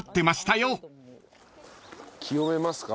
清めますか。